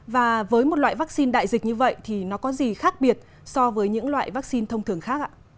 và với một loại vaccine đại dịch như vậy thì nó có gì khác biệt so với những loại vaccine thông thường khác ạ